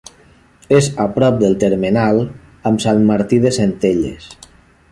És a prop del termenal amb Sant Martí de Centelles.